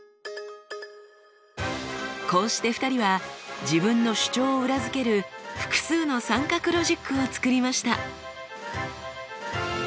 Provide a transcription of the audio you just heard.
こうして２人は自分の主張を裏付ける複数の三角ロジックを作りました。